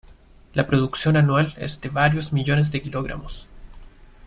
La producción anual es de varios millones de kilogramos.